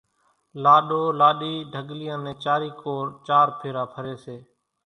لاڏو لاڏِي ڍڳليان نين چارين ڪور چار ڦيرا ڦري سي۔